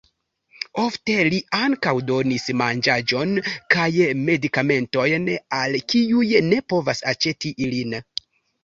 Ofte li ankaŭ donis manĝaĵon kaj medikamentojn al kiuj ne povas aĉeti ilin.